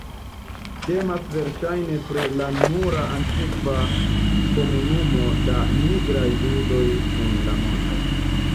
Temas verŝajne pri la nura antikva komunumo da nigraj judoj en la mondo.